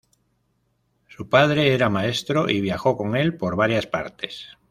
Su padre era maestro y viajó con el por varias partes.